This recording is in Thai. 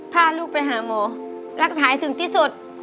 พาลูกไปหาหมอรักษาให้ถึงที่สุด